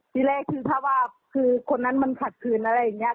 ที่แรกคือถ้าว่าคนนั้นกลับเจอใฮิล